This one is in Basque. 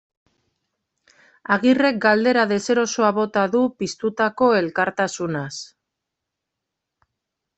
Agirrek galdera deserosoa bota du piztutako elkartasunaz.